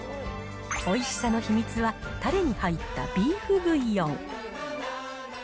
おいしさの秘密はたれに入ったビーフブイヨン。